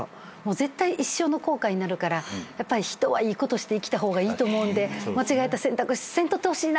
絶対一生の後悔になるから人はいいことして生きた方がいいと思うんで間違えた選択せんとってほしい。